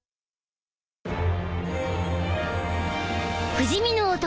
不死身の男